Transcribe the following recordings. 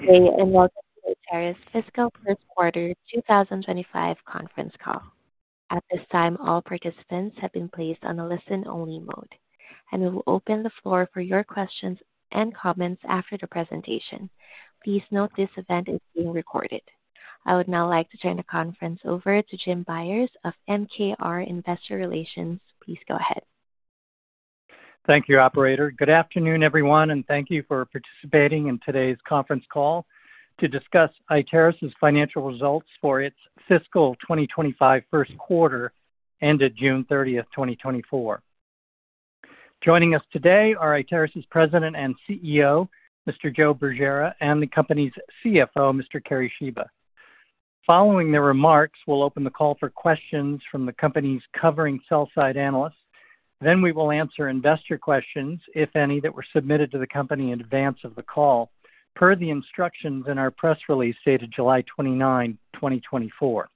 Good day, and welcome to Iteris' Fiscal First Quarter 2025 Conference Call. At this time, all participants have been placed on a listen-only mode, and we will open the floor for your questions and comments after the presentation. Please note this event is being recorded. I would now like to turn the conference over to Jim Byers of MKR Investor Relations. Please go ahead. Thank you, operator. Good afternoon, everyone, and thank you for participating in today's Conference Call to discuss Iteris' Financial Results for its fiscal 2025 first quarter, ended June 30, 2024. Joining us today are Iteris' President and CEO, Mr. Joe Bergera, and the company's CFO, Mr. Kerry Shiba. Following the remarks, we'll open the call for questions from the company's covering sell-side analysts. Then we will answer investor questions, if any, that were submitted to the company in advance of the call, per the instructions in our press release, dated July 29, 2024.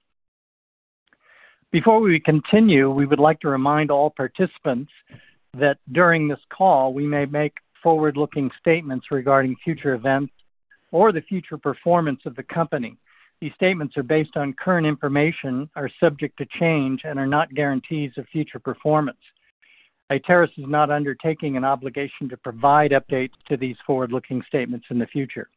Before we continue, we would like to remind all participants that during this call, we may make forward-looking statements regarding future events or the future performance of the company. These statements are based on current information, are subject to change, and are not guarantees of future performance. Iteris is not undertaking an obligation to provide updates to these forward-looking statements in the future.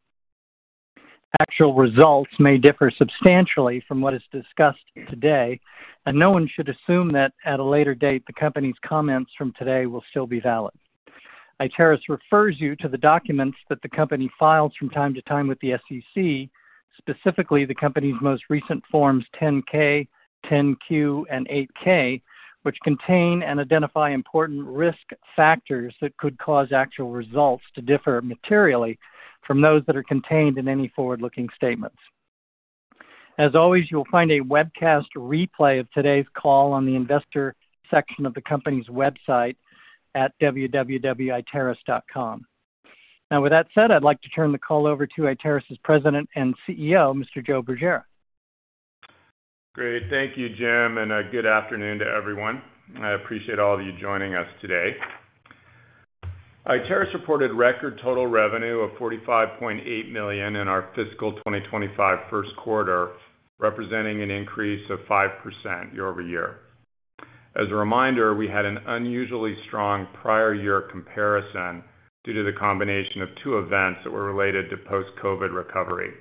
Actual results may differ substantially from what is discussed today, and no one should assume that at a later date, the company's comments from today will still be valid. Iteris refers you to the documents that the company files from time to time with the SEC, specifically the company's most recent Forms 10-K, 10-Q, and 8-K, which contain and identify important risk factors that could cause actual results to differ materially from those that are contained in any forward-looking statements. As always, you'll find a webcast replay of today's call on the investor section of the company's website at www.iteris.com. Now, with that said, I'd like to turn the call over to Iteris' President and CEO, Mr. Joe Bergera. Great. Thank you, Jim, and, good afternoon to everyone. I appreciate all of you joining us today. Iteris reported record total revenue of $45.8 million in our fiscal 2025 first quarter, representing an increase of 5% year-over-year. As a reminder, we had an unusually strong prior year comparison due to the combination of two events that were related to post-COVID recovery.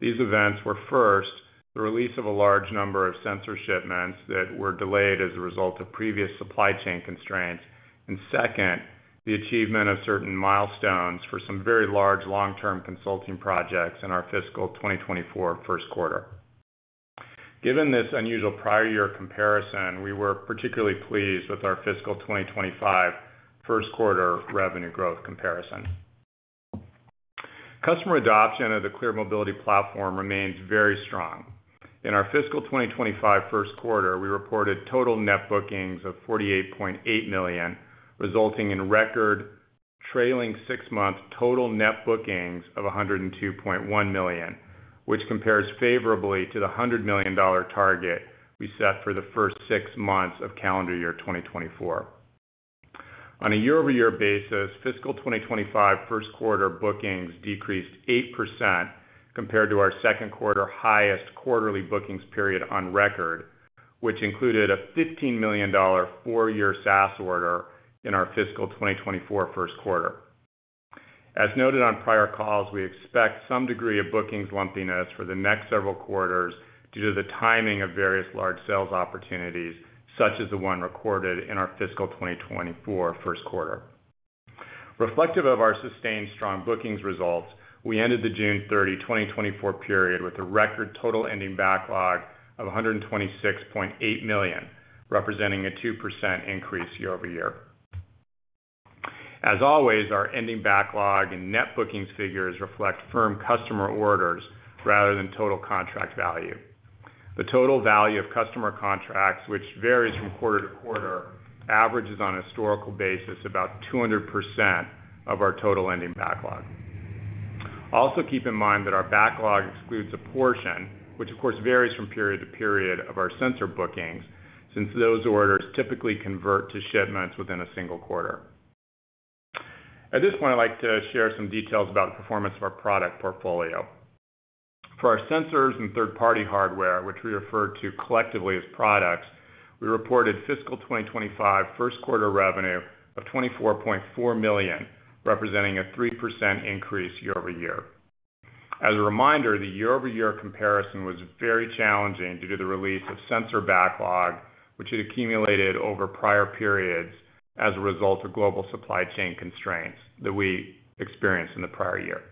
These events were, first, the release of a large number of sensor shipments that were delayed as a result of previous supply chain constraints. And second, the achievement of certain milestones for some very large long-term consulting projects in our fiscal 2024 first quarter. Given this unusual prior year comparison, we were particularly pleased with our fiscal 2025 first quarter revenue growth comparison. Customer adoption of The ClearMobility Platform remains very strong. In our fiscal 2025 first quarter, we reported total net bookings of $48.8 million, resulting in record trailing 6-month total net bookings of $102.1 million, which compares favorably to the $100 million target we set for the first six months of calendar year 2024. On a year-over-year basis, fiscal 2025 first quarter bookings decreased 8% compared to our second quarter highest quarterly bookings period on record, which included a $15 million four-year SaaS order in our fiscal 2024 first quarter. As noted on prior calls, we expect some degree of bookings lumpiness for the next several quarters due to the timing of various large sales opportunities, such as the one recorded in our fiscal 2024 first quarter. Reflective of our sustained strong bookings results, we ended the June 30, 2024 period with a record total ending backlog of $126.8 million, representing a 2% increase year-over-year. As always, our ending backlog and net bookings figures reflect firm customer orders rather than total contract value. The total value of customer contracts, which varies from quarter to quarter, averages on a historical basis, about 200% of our total ending backlog. Also, keep in mind that our backlog excludes a portion, which, of course, varies from period to period of our sensor bookings, since those orders typically convert to shipments within a single quarter. At this point, I'd like to share some details about the performance of our product portfolio. For our sensors and third-party hardware, which we refer to collectively as products, we reported fiscal 2025 first quarter revenue of $24.4 million, representing a 3% increase year-over-year. As a reminder, the year-over-year comparison was very challenging due to the release of sensor backlog, which had accumulated over prior periods as a result of global supply chain constraints that we experienced in the prior year.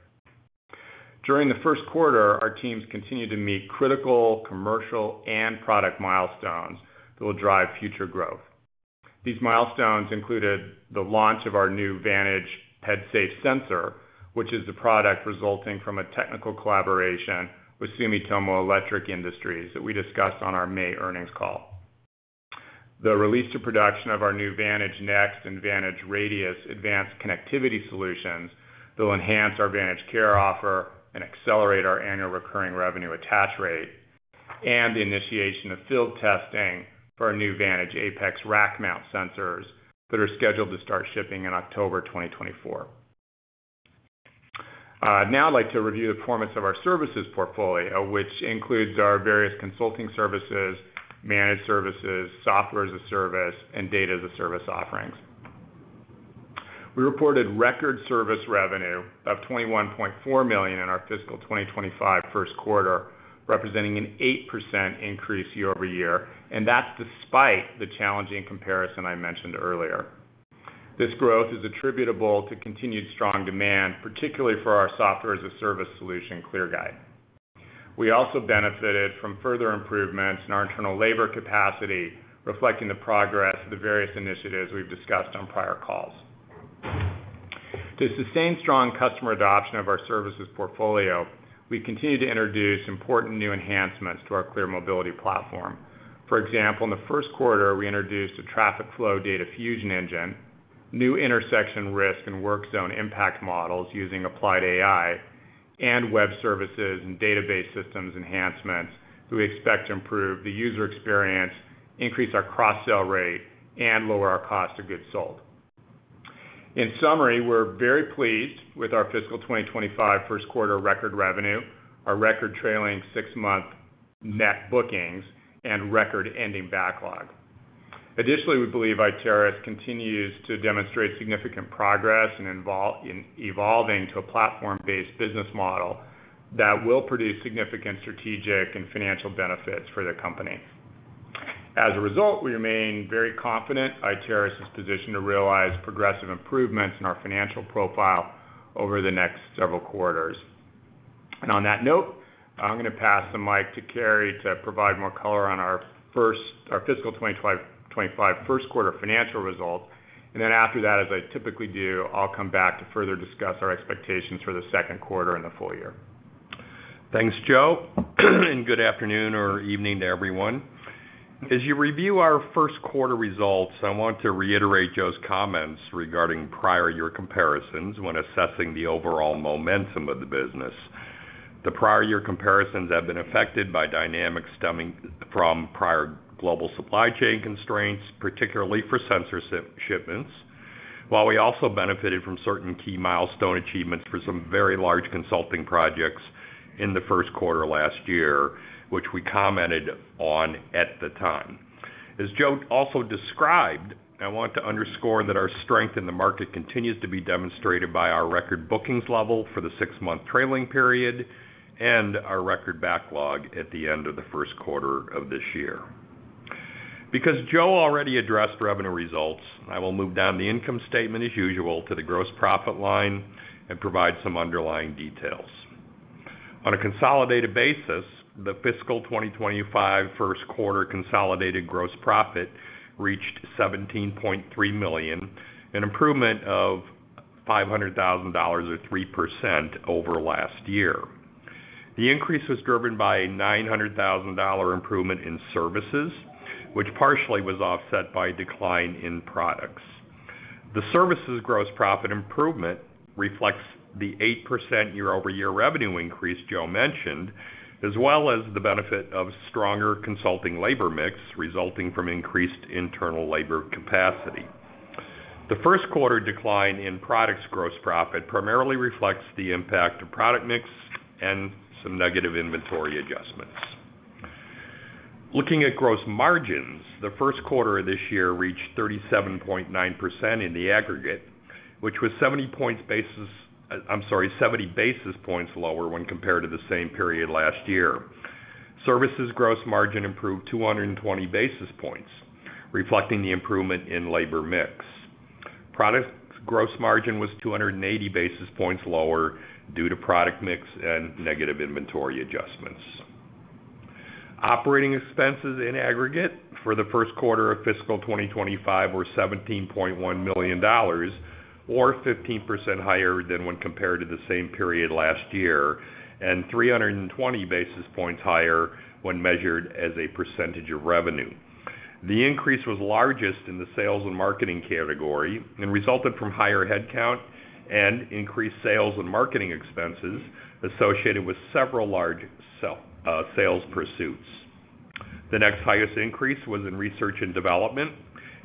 During the first quarter, our teams continued to meet critical, commercial, and product milestones that will drive future growth. These milestones included the launch of our new Vantage PedSafe sensor, which is the product resulting from a technical collaboration with Sumitomo Electric Industries that we discussed on our May earnings call. The release to production of our new Vantage Next and Vantage Radius advanced connectivity solutions that will enhance our VantageCare offer and accelerate our annual recurring revenue attach rate... and the initiation of field testing for our new Vantage Apex rack-mount sensors that are scheduled to start shipping in October 2024. Now I'd like to review the performance of our services portfolio, which includes our various consulting services, managed services, Software as a Service, and Data as a Service offerings. We reported record service revenue of $21.4 million in our fiscal 2025 first quarter, representing an 8% increase year-over-year, and that's despite the challenging comparison I mentioned earlier. This growth is attributable to continued strong demand, particularly for our Software as a Service solution, ClearGuide. We also benefited from further improvements in our internal labor capacity, reflecting the progress of the various initiatives we've discussed on prior calls. To sustain strong customer adoption of our services portfolio, we continue to introduce important new enhancements to ClearMobility Platform. for example, in the first quarter, we introduced a traffic flow data fusion engine, new intersection risk and work zone impact models using applied AI, and web services and database systems enhancements. We expect to improve the user experience, increase our cross-sell rate, and lower our cost of goods sold. In summary, we're very pleased with our fiscal 2025 first quarter record revenue, our record trailing six-month net bookings, and record ending backlog. Additionally, we believe Iteris continues to demonstrate significant progress in evolving to a platform-based business model that will produce significant strategic and financial benefits for the company. As a result, we remain very confident Iteris is positioned to realize progressive improvements in our financial profile over the next several quarters. And on that note, I'm gonna pass the mic to Kerry to provide more color on our fiscal 2025 first quarter financial results. And then after that, as I typically do, I'll come back to further discuss our expectations for the second quarter and the full year. Thanks, Joe. Good afternoon or evening to everyone. As you review our first quarter results, I want to reiterate Joe's comments regarding prior year comparisons when assessing the overall momentum of the business. The prior year comparisons have been affected by dynamics stemming from prior global supply chain constraints, particularly for sensor shipments, while we also benefited from certain key milestone achievements for some very large consulting projects in the first quarter of last year, which we commented on at the time. As Joe also described, I want to underscore that our strength in the market continues to be demonstrated by our record bookings level for the six-month trailing period and our record backlog at the end of the first quarter of this year. Because Joe already addressed revenue results, I will move down the income statement as usual to the gross profit line and provide some underlying details. On a consolidated basis, the fiscal 2025 first quarter consolidated gross profit reached $17.3 million, an improvement of $500,000 or 3% over last year. The increase was driven by a $900,000 improvement in services, which partially was offset by a decline in products. The services gross profit improvement reflects the 8% year-over-year revenue increase Joe mentioned, as well as the benefit of stronger consulting labor mix, resulting from increased internal labor capacity. The first quarter decline in products gross profit primarily reflects the impact of product mix and some negative inventory adjustments. Looking at gross margins, the first quarter of this year reached 37.9% in the aggregate, which was 70 basis points lower when compared to the same period last year. Services gross margin improved 200 basis points, reflecting the improvement in labor mix. Products gross margin was 280 basis points lower due to product mix and negative inventory adjustments. Operating expenses in aggregate for the first quarter of fiscal 2025 were $17.1 million, or 15% higher than when compared to the same period last year, and 320 basis points higher when measured as a percentage of revenue. The increase was largest in the sales and marketing category and resulted from higher headcount and increased sales and marketing expenses associated with several large sales pursuits. The next highest increase was in research and development,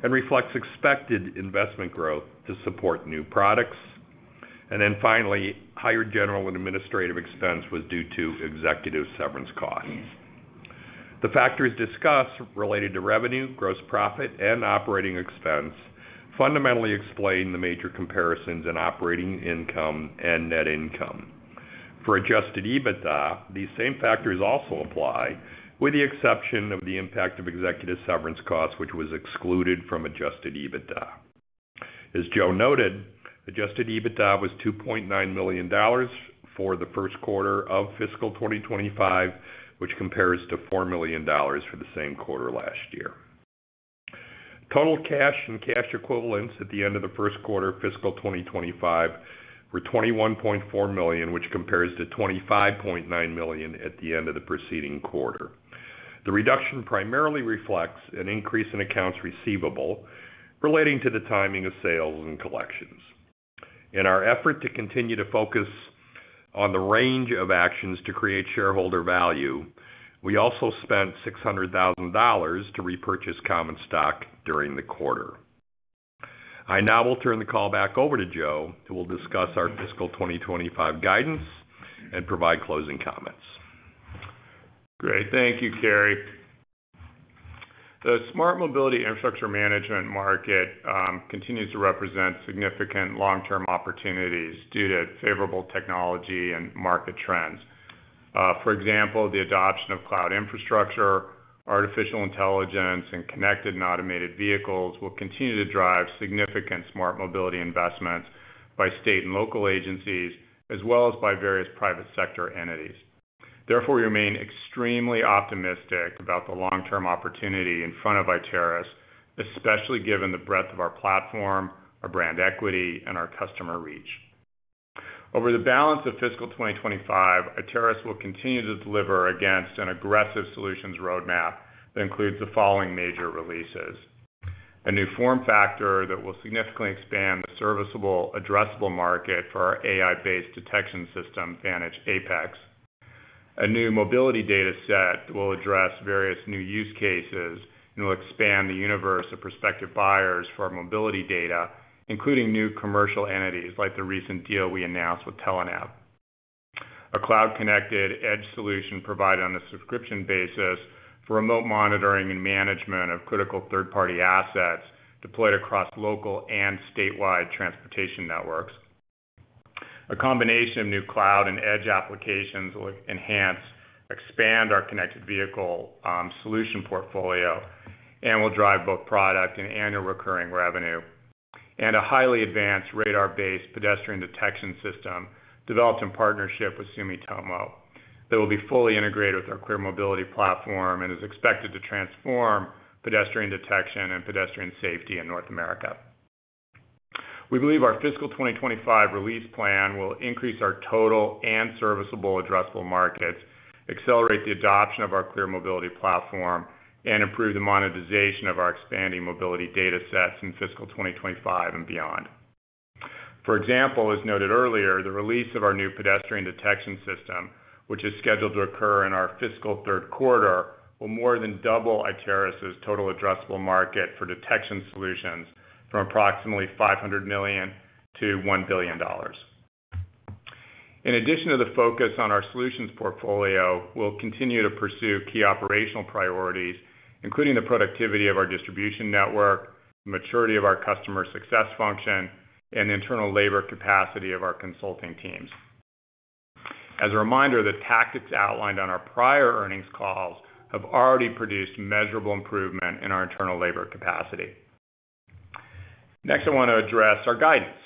and reflects expected investment growth to support new products. And then finally, higher general and administrative expense was due to executive severance costs. The factors discussed related to revenue, gross profit, and operating expense fundamentally explain the major comparisons in operating income and net income. For adjusted EBITDA, these same factors also apply, with the exception of the impact of executive severance costs, which was excluded from adjusted EBITDA. As Joe noted, adjusted EBITDA was $2.9 million for the first quarter of fiscal 2025, which compares to $4 million for the same quarter last year. Total cash and cash equivalents at the end of the first quarter of fiscal 2025 were $21.4 million, which compares to $25.9 million at the end of the preceding quarter. The reduction primarily reflects an increase in accounts receivable relating to the timing of sales and collections. In our effort to continue to focus on the range of actions to create shareholder value, we also spent $600,000 to repurchase common stock during the quarter. I now will turn the call back over to Joe, who will discuss our fiscal 2025 guidance and provide closing comments. Great. Thank you, Kerry. The smart mobility infrastructure management market continues to represent significant long-term opportunities due to favorable technology and market trends. For example, the adoption of cloud infrastructure, artificial intelligence, and connected and automated vehicles will continue to drive significant smart mobility investments by state and local agencies, as well as by various private sector entities. Therefore, we remain extremely optimistic about the long-term opportunity in front of Iteris, especially given the breadth of our platform, our brand equity, and our customer reach. Over the balance of fiscal 2025, Iteris will continue to deliver against an aggressive solutions roadmap that includes the following major releases: A new form factor that will significantly expand the serviceable addressable market for our AI-based detection system, Vantage Apex. A new mobility data set will address various new use cases and will expand the universe of prospective buyers for our mobility data, including new commercial entities, like the recent deal we announced with Telenav. A cloud-connected edge solution provided on a subscription basis for remote monitoring and management of critical third-party assets deployed across local and statewide transportation networks. A combination of new cloud and edge applications will enhance, expand our connected vehicle, solution portfolio and will drive both product and annual recurring revenue. A highly advanced radar-based pedestrian detection system developed in partnership with Sumitomo, that will be fully integrated with ClearMobility Platform and is expected to transform pedestrian detection and pedestrian safety in North America. We believe our fiscal 2025 release plan will increase our total and serviceable addressable markets, accelerate the adoption of ClearMobility Platform, and improve the monetization of our expanding mobility data sets in fiscal 2025 and beyond. For example, as noted earlier, the release of our new pedestrian detection system, which is scheduled to occur in our fiscal third quarter, will more than double Iteris' total addressable market for detection solutions from approximately $500 million to $1 billion. In addition to the focus on our solutions portfolio, we'll continue to pursue key operational priorities, including the productivity of our distribution network, maturity of our customer success function, and internal labor capacity of our consulting teams. As a reminder, the tactics outlined on our prior earnings calls have already produced measurable improvement in our internal labor capacity. Next, I want to address our guidance.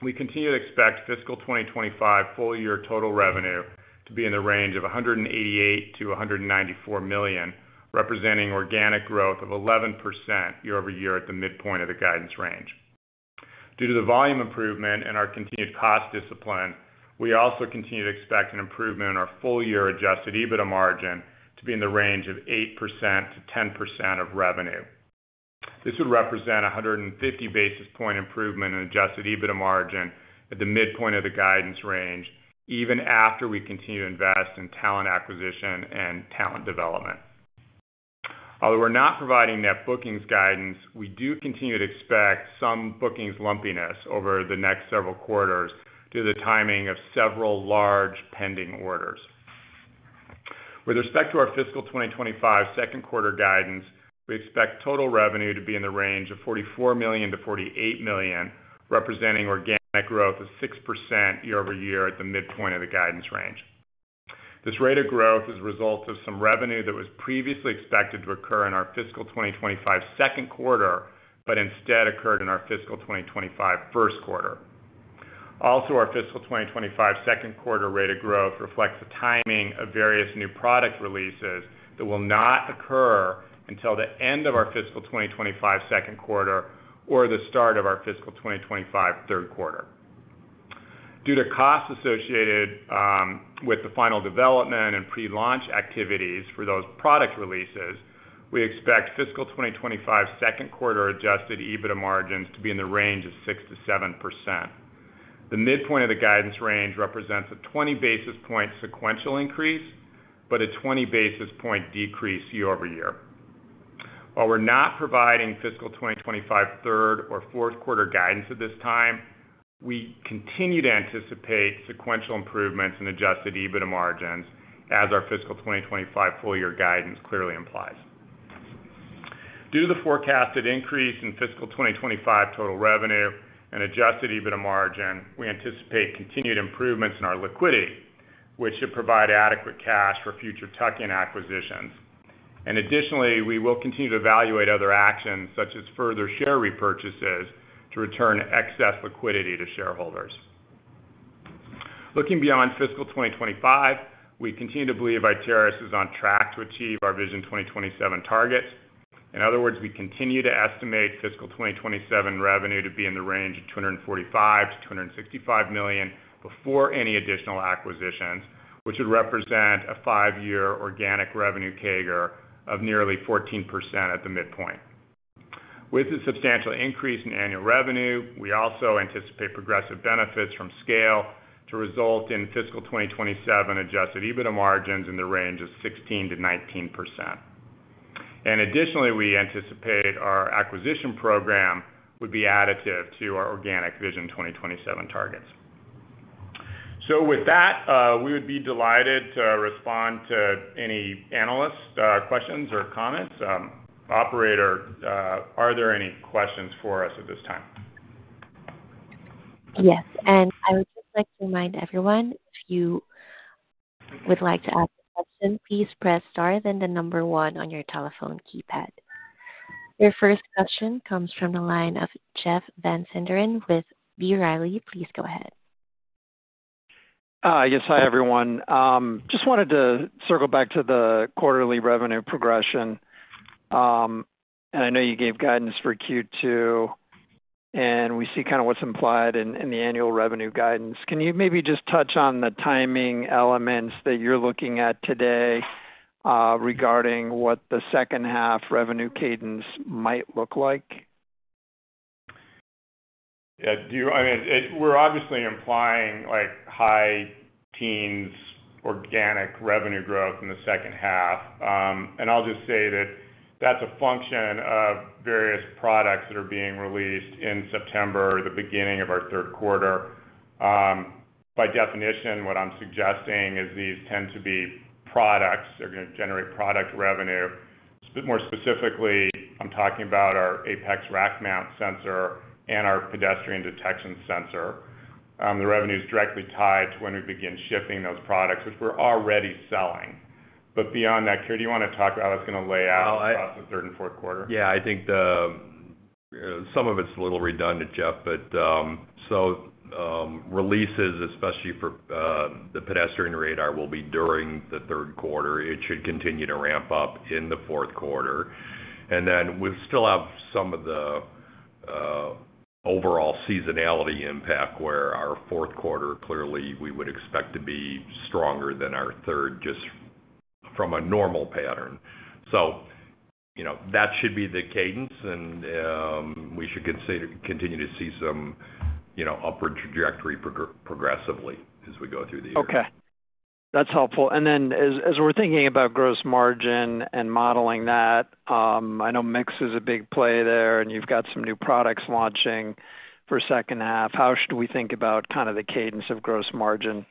We continue to expect fiscal 2025 full year total revenue to be in the range of $188 million-$194 million, representing organic growth of 11% year-over-year at the midpoint of the guidance range. Due to the volume improvement and our continued cost discipline, we also continue to expect an improvement in our full year adjusted EBITDA margin to be in the range of 8%-10% of revenue. This would represent a 150 basis point improvement in adjusted EBITDA margin at the midpoint of the guidance range, even after we continue to invest in talent acquisition and talent development. Although we're not providing net bookings guidance, we do continue to expect some bookings lumpiness over the next several quarters due to the timing of several large pending orders. With respect to our fiscal 2025 second quarter guidance, we expect total revenue to be in the range of $44 million-$48 million, representing organic growth of 6% year-over-year at the midpoint of the guidance range. This rate of growth is a result of some revenue that was previously expected to occur in our fiscal 2025 second quarter, but instead occurred in our fiscal 2025 first quarter. Also, our fiscal 2025 second quarter rate of growth reflects the timing of various new product releases that will not occur until the end of our fiscal 2025 second quarter or the start of our fiscal 2025 third quarter. Due to costs associated with the final development and pre-launch activities for those product releases, we expect fiscal 2025 second quarter adjusted EBITDA margins to be in the range of 6%-7%. The midpoint of the guidance range represents a 20 basis point sequential increase, but a 20 basis point decrease year-over-year. While we're not providing fiscal 2025 third or fourth quarter guidance at this time, we continue to anticipate sequential improvements in adjusted EBITDA margins as our fiscal 2025 full year guidance clearly implies. Due to the forecasted increase in fiscal 2025 total revenue and adjusted EBITDA margin, we anticipate continued improvements in our liquidity, which should provide adequate cash for future tuck-in acquisitions. Additionally, we will continue to evaluate other actions, such as further share repurchases, to return excess liquidity to shareholders. Looking beyond fiscal 2025, we continue to believe Iteris is on track to achieve our Vision 2027 targets. In other words, we continue to estimate fiscal 2027 revenue to be in the range of $245 million-$265 million before any additional acquisitions, which would represent a five-year organic revenue CAGR of nearly 14% at the midpoint. With a substantial increase in annual revenue, we also anticipate progressive benefits from scale to result in fiscal 2027 adjusted EBITDA margins in the range of 16%-19%. And additionally, we anticipate our acquisition program would be additive to our organic Vision 2027 targets. So with that, we would be delighted to respond to any analyst questions or comments. Operator, are there any questions for us at this time? Yes, and I would just like to remind everyone, if you would like to ask a question, please press star, then the number one on your telephone keypad. Your first question comes from the line of Jeff Van Sinderen with B. Riley. Please go ahead. Hi, yes, hi, everyone. Just wanted to circle back to the quarterly revenue progression. I know you gave guidance for Q2, and we see kind of what's implied in the annual revenue guidance. Can you maybe just touch on the timing elements that you're looking at today regarding what the second half revenue cadence might look like? Yeah, I mean, we're obviously implying like high teens organic revenue growth in the second half. And I'll just say that that's a function of various products that are being released in September, the beginning of our third quarter. By definition, what I'm suggesting is these tend to be products that are gonna generate product revenue. More specifically, I'm talking about our Apex rack mount sensor and our pedestrian detection sensor. The revenue is directly tied to when we begin shipping those products, which we're already selling. But beyond that, Kerry, do you wanna talk about how it's gonna lay out- Well, I- across the third and fourth quarter? Yeah, I think the, some of it's a little redundant, Jeff, but, so, releases, especially for, the pedestrian radar, will be during the third quarter. It should continue to ramp up in the fourth quarter. And then we've still have some of the, overall seasonality impact, where our fourth quarter, clearly, we would expect to be stronger than our third, just from a normal pattern. So, you know, that should be the cadence, and, we should continue to see some, you know, upward trajectory progressively as we go through the year. Okay. That's helpful. And then as we're thinking about gross margin and modeling that, I know mix is a big play there, and you've got some new products launching for second half. How should we think about kind of the cadence of gross margin,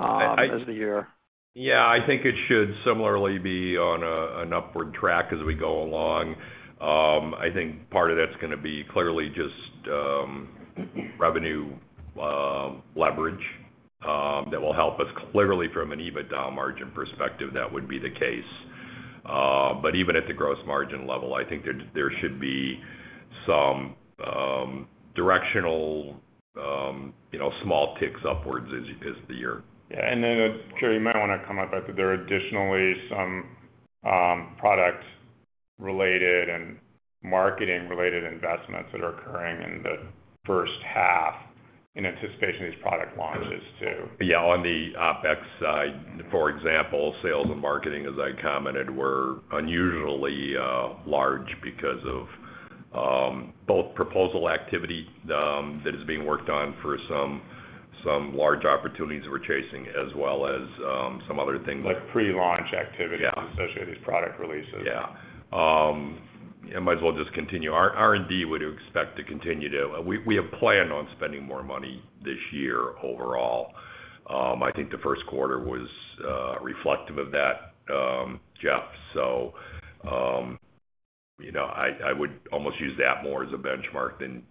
as the year? Yeah, I think it should similarly be on an upward track as we go along. I think part of that's gonna be clearly just revenue leverage that will help us. Clearly, from an EBITDA margin perspective, that would be the case. But even at the gross margin level, I think there should be some directional, you know, small ticks upwards as the year. Yeah, and then, Kerry, you might wanna comment that there are additionally some, product-related and marketing-related investments that are occurring in the first half in anticipation of these product launches, too. Yeah, on the OpEx side, for example, sales and marketing, as I commented, were unusually large because of both proposal activity that is being worked on for some large opportunities we're chasing, as well as some other things. Like pre-launch activity- Yeah associated with product releases. Yeah. I might as well just continue. Our R&D, would you expect to continue to... We have planned on spending more money this year overall. I think the first quarter was reflective of that, Jeff. So, you know, I would almost use that more as a benchmark than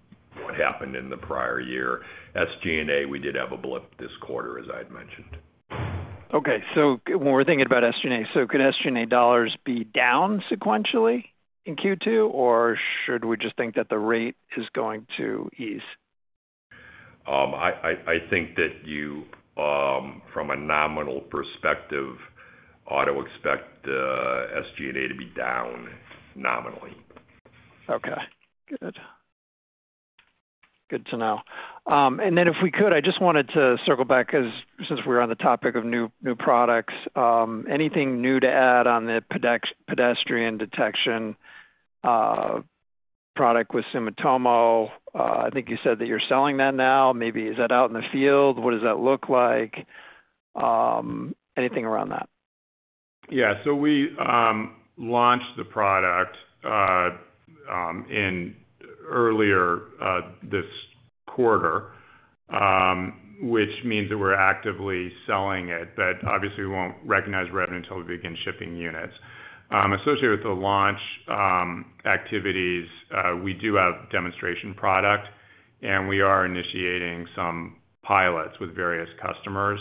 what happened in the prior year. SG&A, we did have a blip this quarter, as I had mentioned. Okay, so when we're thinking about SG&A, so could SG&A dollars be down sequentially in Q2, or should we just think that the rate is going to ease? I think that you, from a nominal perspective, ought to expect the SG&A to be down nominally. Okay. Good. Good to know. And then if we could, I just wanted to circle back, 'cause since we're on the topic of new, new products, anything new to add on the pedestrian detection product with Sumitomo? I think you said that you're selling that now. Maybe, is that out in the field? What does that look like? Anything around that? Yeah. So we launched the product in early this quarter, which means that we're actively selling it, but obviously, we won't recognize revenue until we begin shipping units. Associated with the launch activities, we do have demonstration product, and we are initiating some pilots with various customers.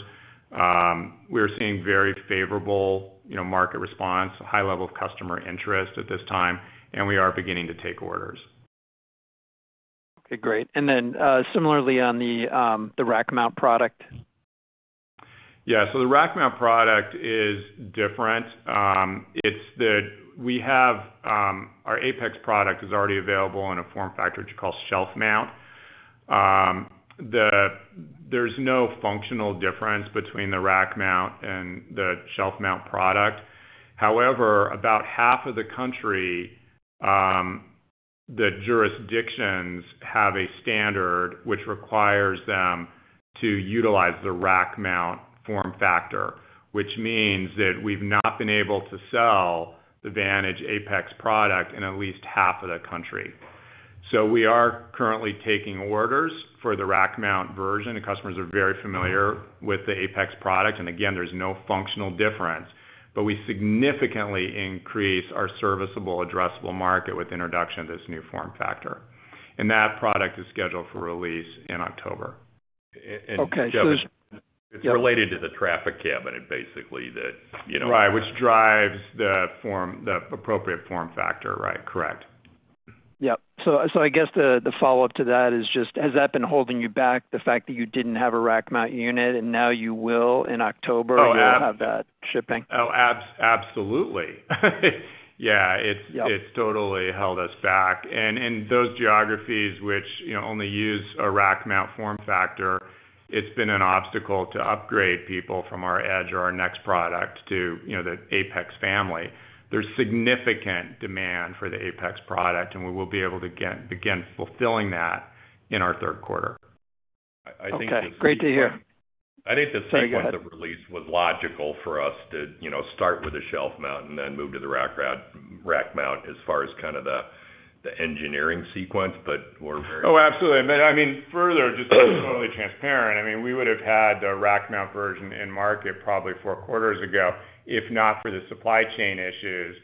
We're seeing very favorable, you know, market response, a high level of customer interest at this time, and we are beginning to take orders. Okay, great. And then, similarly, on the rack mount product? Yeah, so the rack-mount product is different. We have our Apex product is already available in a form factor, which we call shelf-mount. There's no functional difference between the rack-mount and the shelf-mount product. However, about half of the country, the jurisdictions have a standard which requires them to utilize the rack-mount form factor, which means that we've not been able to sell the Vantage Apex product in at least half of the country. So we are currently taking orders for the rack-mount version. The customers are very familiar with the Apex product, and again, there's no functional difference. But we significantly increase our serviceable addressable market with the introduction of this new form factor, and that product is scheduled for release in October. Okay, so- It's related to the traffic cabinet, basically, that, you know- Right, which drives the appropriate form factor, right? Correct. Yep. So I guess the follow-up to that is just, has that been holding you back, the fact that you didn't have a rack-mount unit and now you will in October- Oh, yeah Have that shipping? Oh, absolutely. Yeah, it's- Yep... it's totally held us back. And those geographies which, you know, only use a rack-mount form factor, it's been an obstacle to upgrade people from our Edge or our Next product to, you know, the Apex family. There's significant demand for the Apex product, and we will be able to begin fulfilling that in our third quarter. Okay, great to hear. I think the sequence of release was logical for us to, you know, start with the shelf mount and then move to the rack mount as far as kind of the engineering sequence, but we're very- Oh, absolutely. I mean, further, just to be totally transparent, I mean, we would have had the rack mount version in market probably 4 quarters ago, if not for the supply chain issues,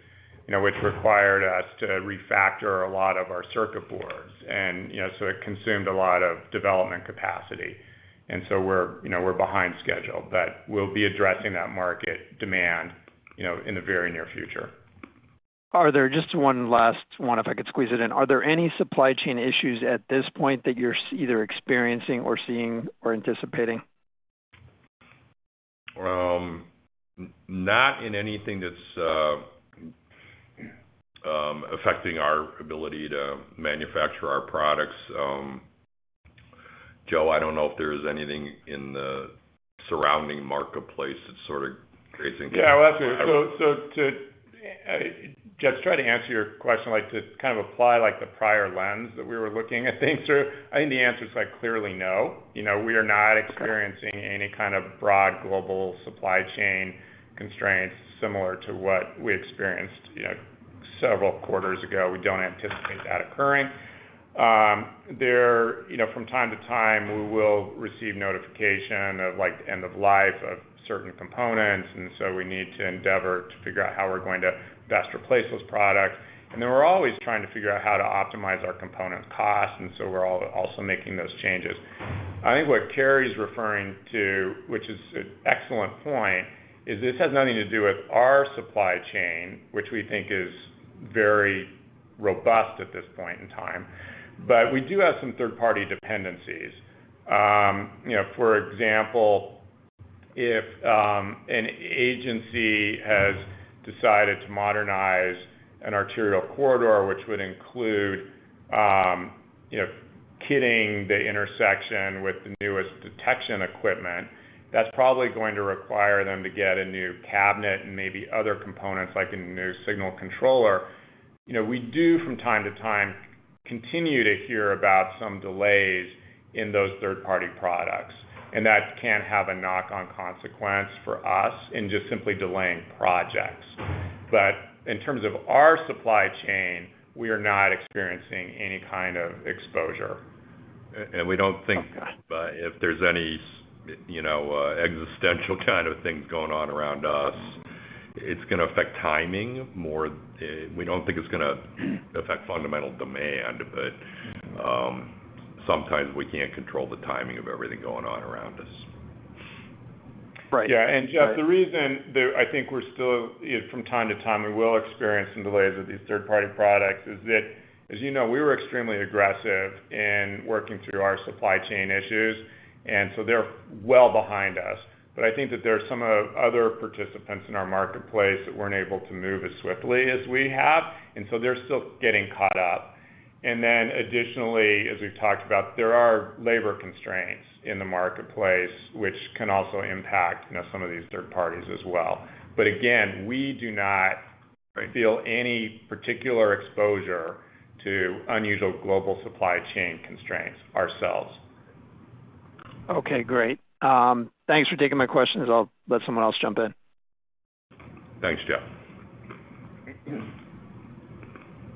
you know, which required us to refactor a lot of our circuit boards. And, you know, so it consumed a lot of development capacity, and so we're, you know, we're behind schedule. But we'll be addressing that market demand, you know, in the very near future. Just one last one, if I could squeeze it in. Are there any supply chain issues at this point that you're either experiencing or seeing or anticipating? Not in anything that's affecting our ability to manufacture our products. Joe, I don't know if there's anything in the surrounding marketplace that's sort of creating- Yeah, well, so to just try to answer your question, like to kind of apply, like, the prior lens that we were looking at things through. I think the answer is like, clearly, no. You know, we are not experiencing- Okay... any kind of broad global supply chain constraints similar to what we experienced, you know, several quarters ago. We don't anticipate that occurring. There, you know, from time to time, we will receive notification of, like, the end of life of certain components, and so we need to endeavor to figure out how we're going to best replace those products. And then we're always trying to figure out how to optimize our component costs, and so we're also making those changes. I think what Kerry's referring to, which is an excellent point, is this has nothing to do with our supply chain, which we think is very robust at this point in time, but we do have some third-party dependencies. You know, for example, if an agency has decided to modernize an arterial corridor, which would include, you know, kitting the intersection with the newest detection equipment, that's probably going to require them to get a new cabinet and maybe other components, like a new signal controller. You know, we do, from time to time, continue to hear about some delays in those third-party products, and that can have a knock-on consequence for us in just simply delaying projects. But in terms of our supply chain, we are not experiencing any kind of exposure. And we don't think if there's any, you know, existential kind of things going on around us, it's gonna affect timing more. We don't think it's gonna affect fundamental demand, but sometimes we can't control the timing of everything going on around us. Right. Yeah, and, Jeff, the reason that I think we're still... From time to time, we will experience some delays with these third-party products, is that, as you know, we were extremely aggressive in working through our supply chain issues, and so they're well behind us. But I think that there are some other participants in our marketplace that weren't able to move as swiftly as we have, and so they're still getting caught up. And then additionally, as we've talked about, there are labor constraints in the marketplace, which can also impact, you know, some of these third parties as well. But again, we do not- Right... feel any particular exposure to unusual global supply chain constraints ourselves. Okay, great. Thanks for taking my questions. I'll let someone else jump in. Thanks, Jeff.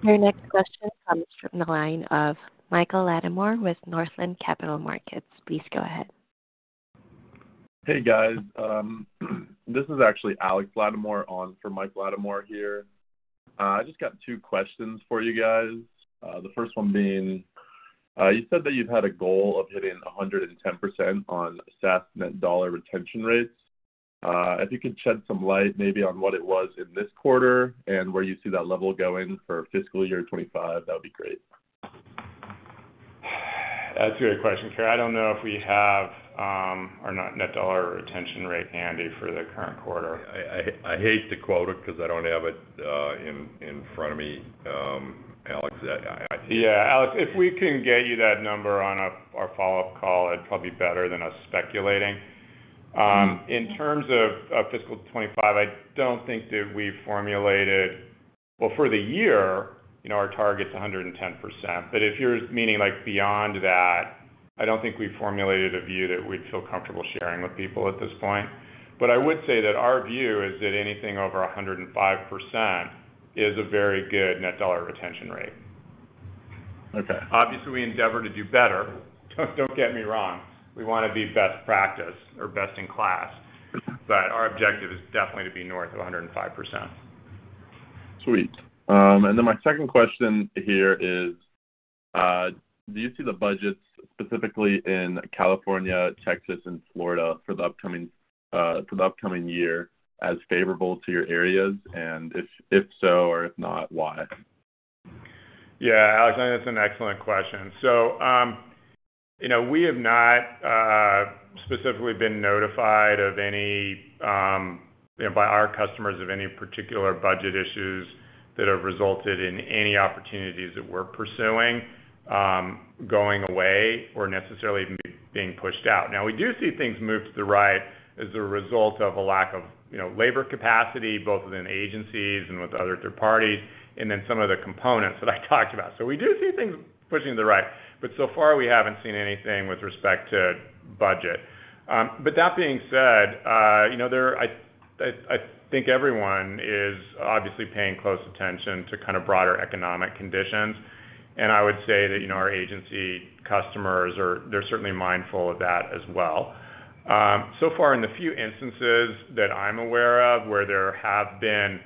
Your next question comes from the line of Mike Latimore with Northland Capital Markets. Please go ahead. Hey, guys. This is actually Alex Latimore on for Mike Latimore here. I just got two questions for you guys. The first one being, you said that you've had a goal of hitting 110% on SaaS net dollar retention rates. If you could shed some light maybe on what it was in this quarter and where you see that level going for fiscal year 2025, that would be great. That's a great question, Alex. I don't know if we have our net dollar retention rate handy for the current quarter. I hate to quote it because I don't have it in front of me, Alex. Yeah, Alex, if we can get you that number on our follow-up call, it'd probably be better than us speculating. In terms of fiscal 2025, I don't think that we've formulated. Well, for the year, you know, our target's 110%, but if you're meaning like beyond that, I don't think we've formulated a view that we'd feel comfortable sharing with people at this point. But I would say that our view is that anything over 105% is a very good net dollar retention rate. Okay. Obviously, we endeavor to do better. Don't get me wrong, we want to be best practice or best in class, but our objective is definitely to be north of 105%. Sweet. And then my second question here is, do you see the budgets, specifically in California, Texas, and Florida for the upcoming year as favorable to your areas? And if so or if not, why? Yeah, Alex, I think that's an excellent question. So, you know, we have not specifically been notified of any, you know, by our customers of any particular budget issues that have resulted in any opportunities that we're pursuing, going away or necessarily even being pushed out. Now, we do see things move to the right as a result of a lack of, you know, labor capacity, both within agencies and with other third parties, and then some of the components that I talked about. So we do see things pushing to the right, but so far, we haven't seen anything with respect to budget. But that being said, you know, I think everyone is obviously paying close attention to kind of broader economic conditions. I would say that, you know, our agency customers are, they're certainly mindful of that as well. So far, in the few instances that I'm aware of, where there have been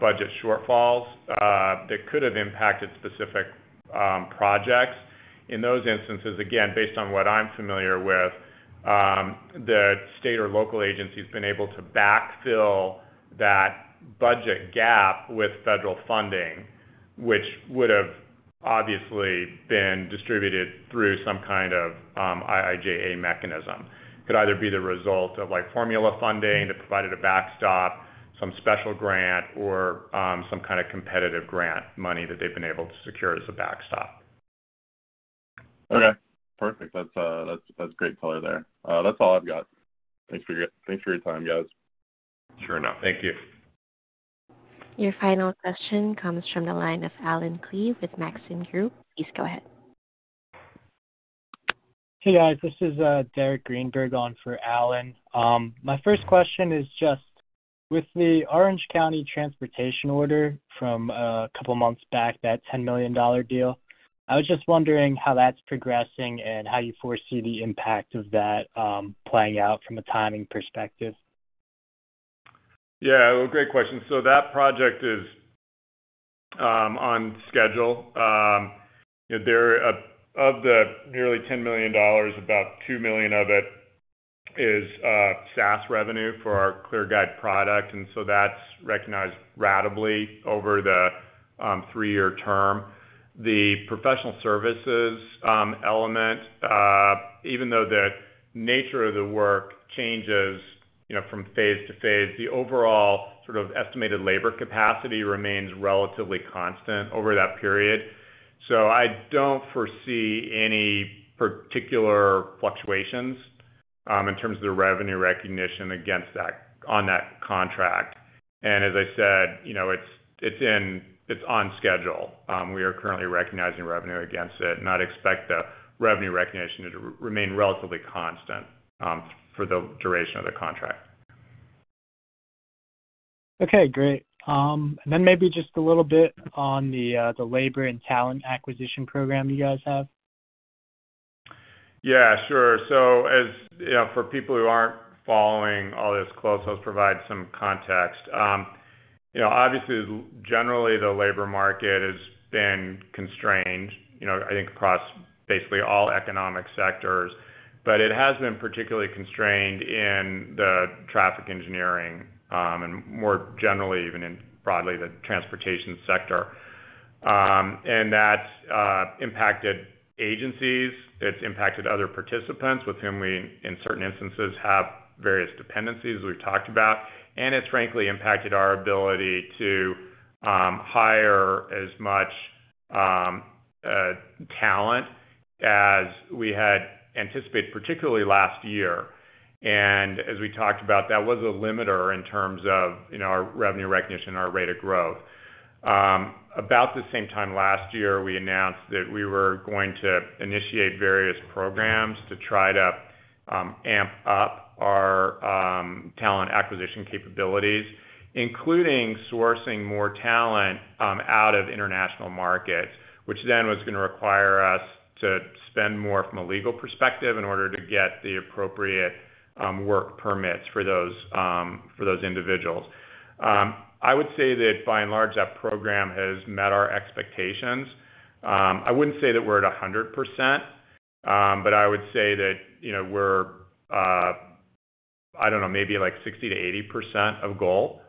budget shortfalls that could have impacted specific projects. In those instances, again, based on what I'm familiar with, the state or local agency's been able to backfill that budget gap with federal funding, which would have obviously been distributed through some kind of IIJA mechanism. Could either be the result of, like, formula funding that provided a backstop, some special grant, or some kind of competitive grant money that they've been able to secure as a backstop. Okay, perfect. That's great color there. That's all I've got. Thanks for your time, guys. Sure enough. Thank you. Your final question comes from the line of Allen Klee with Maxim Group. Please go ahead. Hey, guys, this is Derek Greenberg on for Alan. My first question is just, with the Orange County Transportation order from a couple of months back, that $10 million deal, I was just wondering how that's progressing and how you foresee the impact of that, playing out from a timing perspective. Yeah, well, great question. So that project is on schedule. Of the nearly $10 million, about $2 million of it is SaaS revenue for our ClearGuide product, and so that's recognized ratably over the three-year term. The professional services element, even though the nature of the work changes, you know, from phase to phase, the overall sort of estimated labor capacity remains relatively constant over that period. So I don't foresee any particular fluctuations in terms of the revenue recognition against that on that contract. And as I said, you know, it's on schedule. We are currently recognizing revenue against it, and I'd expect the revenue recognition to remain relatively constant for the duration of the contract. Okay, great. And then maybe just a little bit on the labor and talent acquisition program you guys have. Yeah, sure. So, you know, for people who aren't following all this closely, I'll provide some context. You know, obviously, generally, the labor market has been constrained, you know, I think across basically all economic sectors, but it has been particularly constrained in the traffic engineering, and more generally, even in broadly, the transportation sector. And that's impacted agencies, it's impacted other participants with whom we, in certain instances, have various dependencies we've talked about, and it's frankly impacted our ability to hire as much talent as we had anticipated, particularly last year. And as we talked about, that was a limiter in terms of, you know, our revenue recognition and our rate of growth. About the same time last year, we announced that we were going to initiate various programs to try to amp up our talent acquisition capabilities, including sourcing more talent out of international markets, which then was gonna require us to spend more from a legal perspective in order to get the appropriate work permits for those individuals. I would say that by and large, that program has met our expectations. I wouldn't say that we're at 100%, but I would say that, you know, we're, I don't know, maybe like 60%-80% of goal.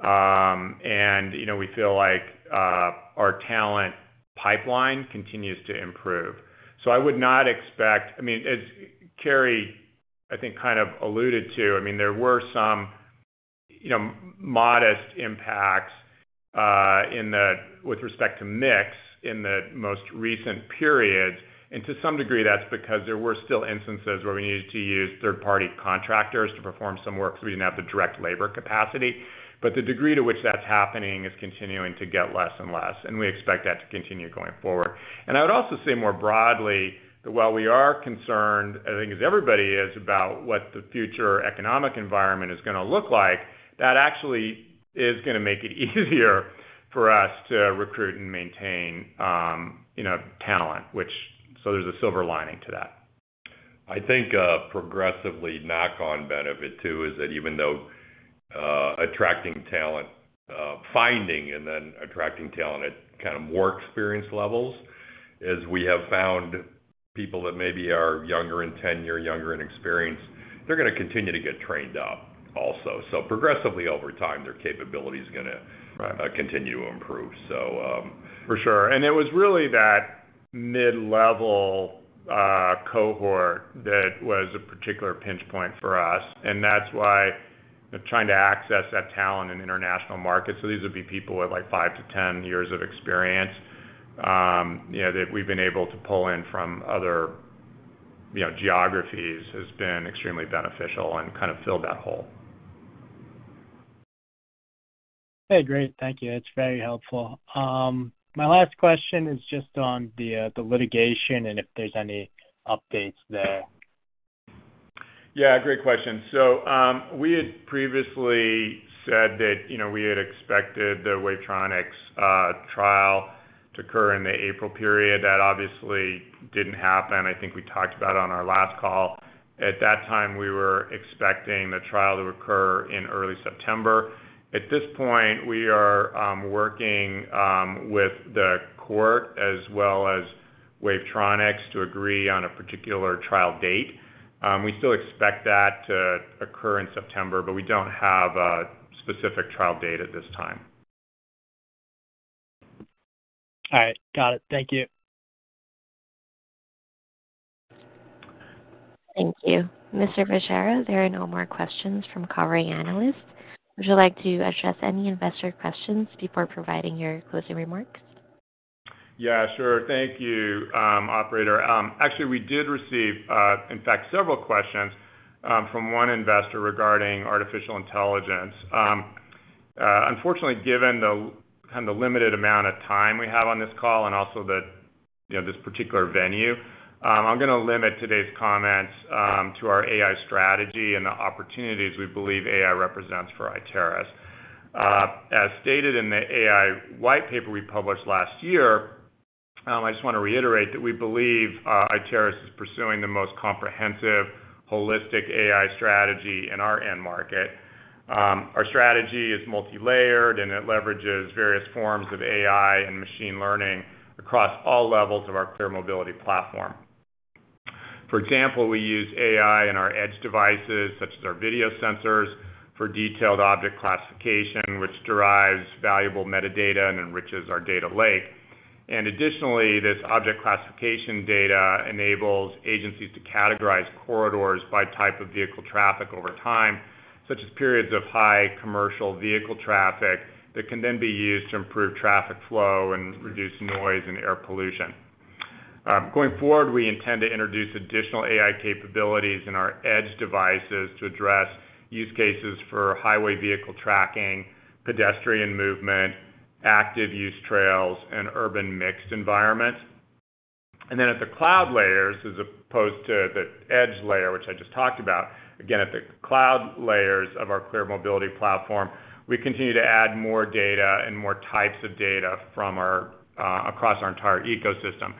And, you know, we feel like our talent pipeline continues to improve. So I would not expect—I mean, as Kerry, I think, kind of alluded to, I mean, there were some... You know, modest impacts with respect to mix in the most recent period. To some degree, that's because there were still instances where we needed to use third-party contractors to perform some work because we didn't have the direct labor capacity. But the degree to which that's happening is continuing to get less and less, and we expect that to continue going forward. I would also say more broadly, that while we are concerned, I think, as everybody is, about what the future economic environment is gonna look like, that actually is gonna make it easier for us to recruit and maintain, you know, talent, so there's a silver lining to that. I think, progressively, knock-on benefit, too, is that even though attracting talent, finding and then attracting talent at kind of more experienced levels, is we have found people that maybe are younger in tenure, younger in experience, they're gonna continue to get trained up also. So progressively, over time, their capability is gonna- Right continue to improve. So, For sure. And it was really that mid-level cohort that was a particular pinch point for us, and that's why trying to access that talent in international markets. So these would be people with, like, five to 10 years of experience, you know, that we've been able to pull in from other, you know, geographies, has been extremely beneficial and kind of filled that hole. Hey, great. Thank you. That's very helpful. My last question is just on the litigation and if there's any updates there. Yeah, great question. So, we had previously said that, you know, we had expected the Wavetronix trial to occur in the April period. That obviously didn't happen. I think we talked about it on our last call. At that time, we were expecting the trial to occur in early September. At this point, we are, working, with the court as well as Wavetronix to agree on a particular trial date. We still expect that to occur in September, but we don't have a specific trial date at this time. All right. Got it. Thank you. Thank you. Mr. Bergara, there are no more questions from covering analysts. Would you like to address any investor questions before providing your closing remarks? Yeah, sure. Thank you, operator. Actually, we did receive, in fact, several questions from one investor regarding artificial intelligence. Unfortunately, given the kind of limited amount of time we have on this call and also the, you know, this particular venue, I'm gonna limit today's comments to our AI strategy and the opportunities we believe AI represents for Iteris. As stated in the AI white paper we published last year, I just want to reiterate that we believe Iteris is pursuing the most comprehensive, holistic AI strategy in our end market. Our strategy is multilayered, and it leverages various forms of AI and machine learning across all levels of our ClearMobility Platform. For example, we use AI in our edge devices, such as our video sensors, for detailed object classification, which derives valuable metadata and enriches our data lake. And additionally, this object classification data enables agencies to categorize corridors by type of vehicle traffic over time, such as periods of high commercial vehicle traffic, that can then be used to improve traffic flow and reduce noise and air pollution. Going forward, we intend to introduce additional AI capabilities in our edge devices to address use cases for highway vehicle tracking, pedestrian movement, active use trails, and urban mixed environments. And then at the cloud layers, as opposed to the edge layer, which I just talked about, again, at the cloud layers of ClearMobility Platform, we continue to add more data and more types of data from our, across our entire ecosystem.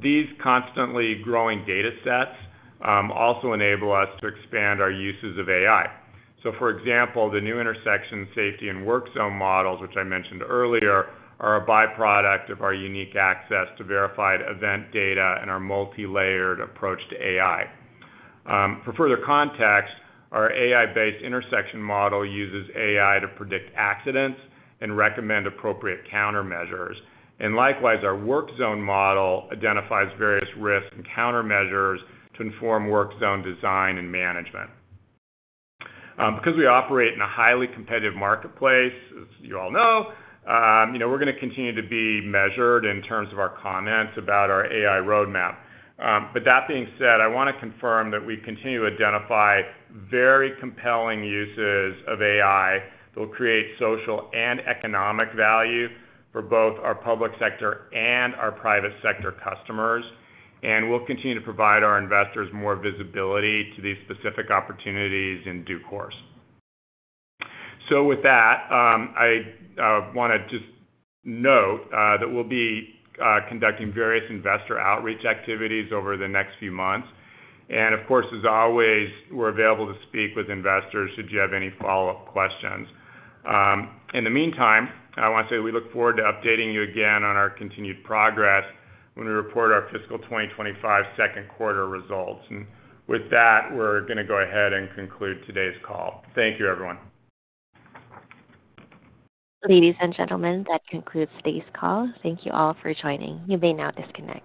These constantly growing datasets also enable us to expand our uses of AI. For example, the new intersection safety and work zone models, which I mentioned earlier, are a byproduct of our unique access to verified event data and our multilayered approach to AI. For further context, our AI-based intersection model uses AI to predict accidents and recommend appropriate countermeasures. Likewise, our work zone model identifies various risks and countermeasures to inform work zone design and management. Because we operate in a highly competitive marketplace, as you all know, you know, we're gonna continue to be measured in terms of our comments about our AI roadmap. That being said, I want to confirm that we continue to identify very compelling uses of AI that will create social and economic value for both our public sector and our private sector customers. We'll continue to provide our investors more visibility to these specific opportunities in due course. So with that, I want to just note that we'll be conducting various investor outreach activities over the next few months. And of course, as always, we're available to speak with investors should you have any follow-up questions. In the meantime, I want to say we look forward to updating you again on our continued progress when we report our fiscal 2025 second quarter results. And with that, we're gonna go ahead and conclude today's call. Thank you, everyone. Ladies and gentlemen, that concludes today's call. Thank you all for joining. You may now disconnect.